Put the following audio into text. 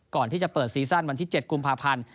ก่อนที่จะเปิดซีซั่นวันที่๗กุมภาพันธ์